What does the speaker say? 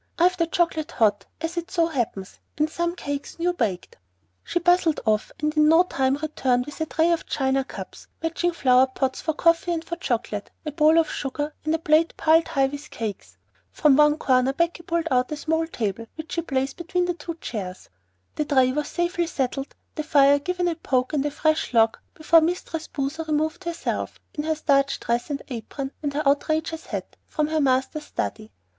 I have the chocolate hot, as it so happens, and some cakes new baked." She bustled off and in no time returned with a tray of china cups, matching flowered pots for coffee and for chocolate, a bowl of sugar, and a plate piled high with cakes. From one corner Becky pulled out a small table which she placed between the two chairs. The tray was safely settled, the fire given a poke and a fresh log before Mistress Boozer removed herself, in her starched dress and apron and her outrageous hat, from her master's study.